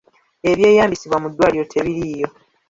Ebyeyambisibwa mu ddwaliro tebiriiyo.